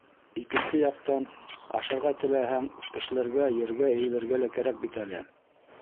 Икенсе яҡтан, ашарға теләһәң, эшләргә, ергә эйелергә лә кәрәк бит әле.